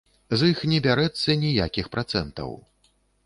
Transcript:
З іх не бярэцца ніякіх працэнтаў.